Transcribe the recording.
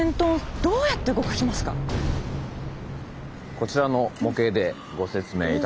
こちらの模型でご説明いたします。